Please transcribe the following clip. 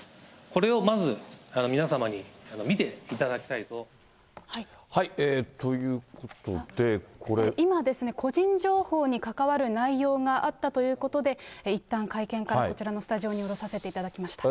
これをまず皆様に見ていただきたいと。ということで、今ですね、個人情報に関わる内容があったということで、いったん会見からこちらのスタジオに戻させていただきました。